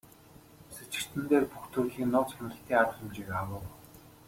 Сэжигтэн дээр бүх төрлийн нууц хяналтын арга хэмжээг авав.